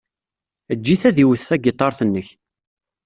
Eǧǧ-it ad iwet tagiṭart-nnek.